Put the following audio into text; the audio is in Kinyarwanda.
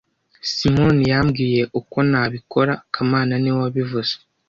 Simoni yambwiye uko nabikora kamana niwe wabivuze